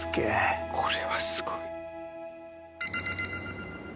これはすごい。